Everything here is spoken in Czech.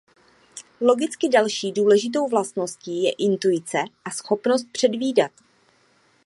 Logicky další důležitou vlastností je intuice a schopnost předvídat.